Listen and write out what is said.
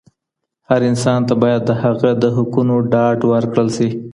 هر انسان ته باید د هغه د حقونو ډاډ ورکړل سي.